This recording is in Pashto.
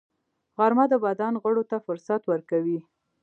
غرمه د بدن غړو ته فرصت ورکوي